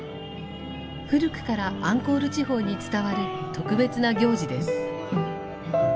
古くからアンコール地方に伝わる特別な行事です。